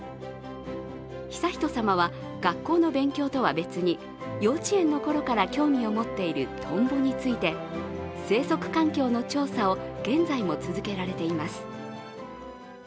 悠仁さまは、学校の勉強とは別に幼稚園のころから興味を持っているトンボについて生息環境の調査を現在も続けられています。